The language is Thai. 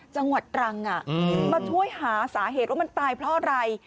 จังหวัดตรังมาช่วยหาสาเหตุว่ามันตายเพราะอะไร